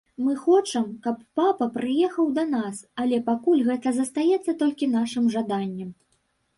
Мы хочам, каб папа прыехаў да нас, але пакуль гэта застаецца толькі нашым жаданнем.